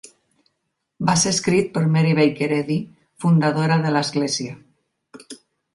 Va ser escrit per Mary Baker Eddy, fundadora de l'església.